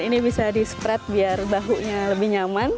dan ini bisa di spread biar bahu nya lebih nyaman